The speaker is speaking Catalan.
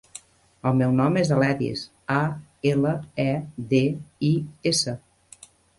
El meu nom és Aledis: a, ela, e, de, i, essa.